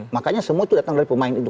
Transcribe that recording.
makanya semua itu datang dari pemain itu